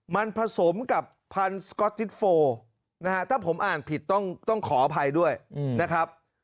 มันผสมกับพันธุ์สก๊อตจิตโฟนะฮะถ้าผมอ่านผิดต้องขออภัยด้วยนะครับ